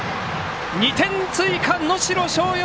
２点追加、能代松陽